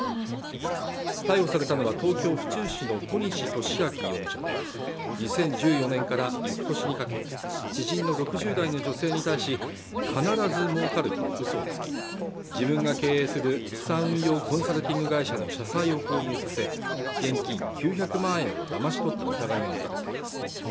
逮捕されたのは東京府中市の小西利明容疑者で２０１４年から翌年にかけ知人の６０代の女性に対し必ず儲かると嘘をつき自分が経営する資産運用コンサルティング会社の社債を購入させ現金９００万円をだまし取った疑いが持たれています